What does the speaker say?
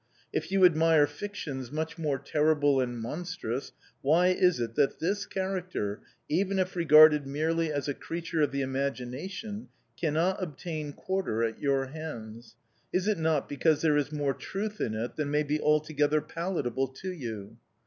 If you admire fictions much more terrible and monstrous, why is it that this character, even if regarded merely as a creature of the imagination, cannot obtain quarter at your hands? Is it not because there is more truth in it than may be altogether palatable to you?"